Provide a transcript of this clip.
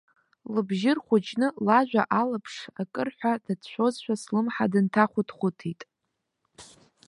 Лыбжьы рхәыҷны, лажәа алаԥш акыр ҳәа дацәшәозшәа, слымҳа дынҭахәыҭхәыҭит.